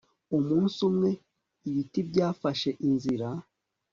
umunsi umwe, ibiti byafashe inzira